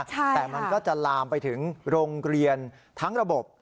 แต่มันก็จะลามไปถึงโรงเรียนทั้งระบบ